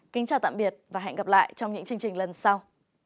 kính chào tạm biệt và hẹn gặp lại trong những chương trình lần sau